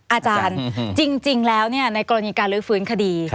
อาจารย์จริงแล้วในกรณีการลื้อฟื้นคดี